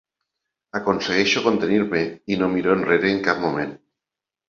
Aconsegueixo contenir-me i no miro enrere en cap moment.